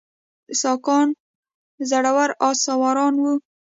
ساکان زړور آس سواران وو